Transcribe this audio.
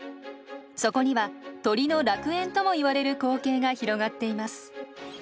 そこには鳥の楽園ともいわれる光景が広がっています。